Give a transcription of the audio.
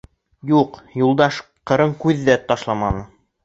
Юҡ, Юлдаш ҡырын күҙ ҙә ташламаны.